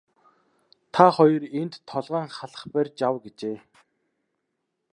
Та хоёр энд толгойн халх барьж ав гэжээ.